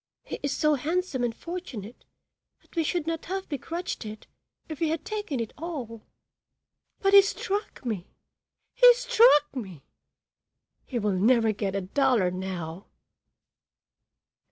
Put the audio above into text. He is so handsome and fortunate that we should not have begrudged it, if he had taken it all. But he struck me! he struck me! He will never get a dollar now."